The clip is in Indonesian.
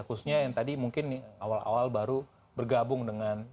khususnya yang tadi mungkin awal awal baru bergabung dengan